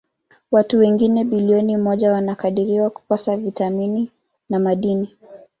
Watu wengine bilioni moja wanakadiriwa kukosa vitamini na madini.